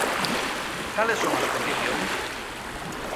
¿Cales son as condicións?